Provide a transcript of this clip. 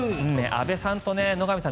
安部さんと野上さん